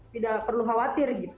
tidak perlu khawatir